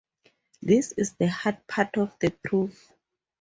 This is the hard part of the proof.